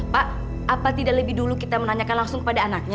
pak apa tidak lebih dulu kita menanyakan langsung kepada anaknya